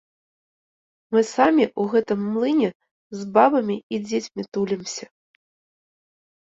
Мы самі ў гэтым млыне з бабамі і дзецьмі тулімся.